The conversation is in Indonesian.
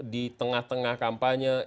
di tengah tengah kampanye